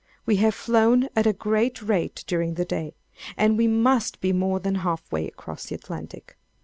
We have flown at a great rate during the day, and we must be more than half way across the Atlantic.